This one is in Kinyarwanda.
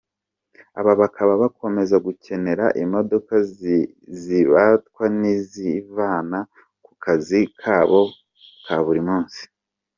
Aba bakaba bakomeza gukenera imodoka zibatwa n’izibavana ku kazi kabo ka buri munsi.